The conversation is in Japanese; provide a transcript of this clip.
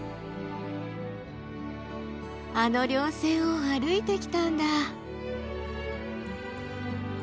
あの稜線を歩いてきたんだ。